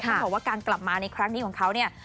ต้องบอกว่าการกลับมาในครั้งนี้ของเขาเนี่ย